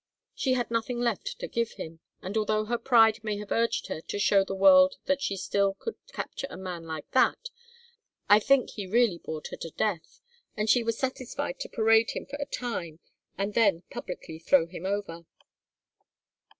She had nothing left to give him, and although her pride may have urged her to show the world that she still could capture a man like that, I think he really bored her to death, and she was satisfied to parade him for a time and then publicly throw him over.